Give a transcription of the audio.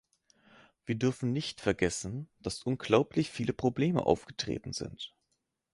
Wir dürfen nicht vergessen, dass unglaublich viele Probleme aufgetreten sind.